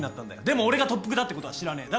でも俺が特服だってことは知らねえ。